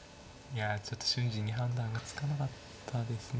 ちょっと瞬時に判断がつかなかったですね。